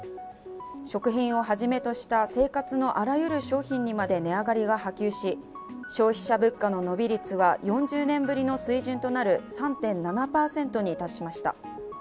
食品をはじめとした生活のあらゆる商品にまで値上がりが波及し消費者物価の伸び率は４０年ぶりの水準となる３．４％に達しました。